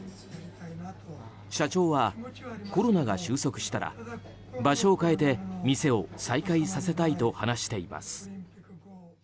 社長は、コロナが収束したら場所を変えて店を再開させたいと話しています。